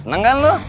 seneng kan lo